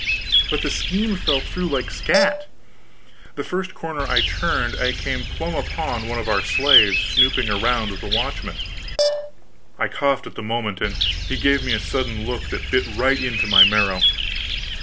But the scheme fell through like scat! The first corner I turned, I came plump upon one of our slaves, snooping around with a watchman. I coughed at the moment, and he gave me a sudden look that bit right into my marrow.